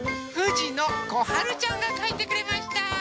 ふじのこはるちゃんがかいてくれました。